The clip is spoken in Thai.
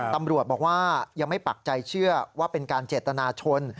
ตำรวจบอกว่ายังไม่ปักใจเชื่อว่าเป็นการเจตนาชน